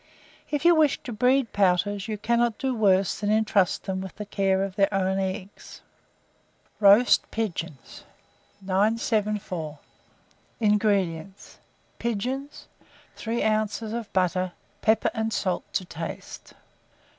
If you wish to breed pouters, you cannot do worse than intrust them with the care of their own eggs. ROAST PIGEONS. 974. INGREDIENTS. Pigeons, 3 oz. of butter, pepper and salt to taste.